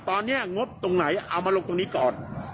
ตอนนี้งบตรงไหนเอามาลงตรงนี้ก่อน